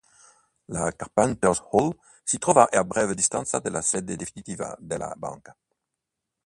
La Carpenter's Hall si trovava a breve distanza dalla sede definitiva della banca.